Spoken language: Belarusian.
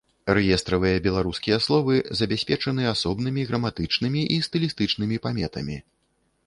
Рэестравыя беларускія словы забяспечаны асобнымі граматычнымі і стылістычнымі паметамі.